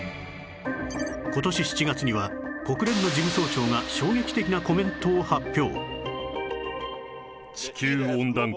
今年７月には国連の事務総長が衝撃的なコメントを発表